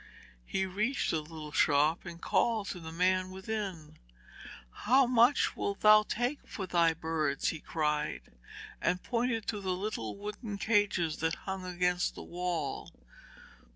He reached the little shop and called to the man within. 'How much wilt thou take for thy birds?' he cried, and pointed to the little wooden cages that hung against the wall.